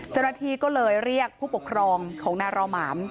เจ้าหน้าที่ก็เลยเรียกผู้ปกครองของนารอหมาน